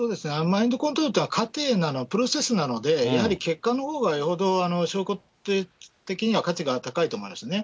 マインドコントロールというのは過程なので、プロセスなので、やはり結果のほうがよほど証拠的には価値が高いと思いますね。